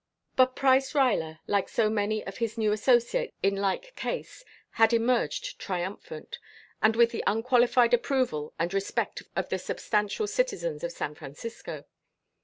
But Price Ruyler, like so many of his new associates in like case, had emerged triumphant; and with the unqualified approval and respect of the substantial citizens of San Francisco.